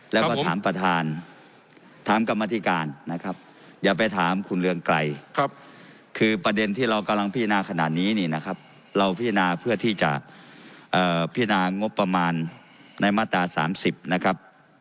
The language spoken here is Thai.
แล้วก็ถามประธานถามกรรมธิการนะครับอย่าไปถามคุณเรืองไกรคือประเด็นที่เรากำลังพิจารณาขนาดนี้นี่นะครับเราพิจารณาเพื่อที่จะพินางบประมาณในมาตรา๓๐นะครับ